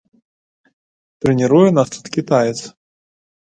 Трэніруе нас тут кітаец.